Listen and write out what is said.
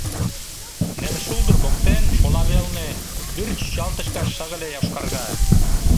Нершулдыр воктен, шола велне, вӱр чӱчалтыш гай шыгыле йошкарга.